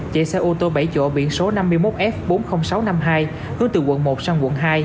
chạy xe ô tô bảy chỗ biển số năm mươi một f bốn mươi nghìn sáu trăm năm mươi hai hướng từ quận một sang quận hai